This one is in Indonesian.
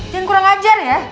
jangan kurang ajar ya